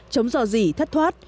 chống dò dỉ thắt thoát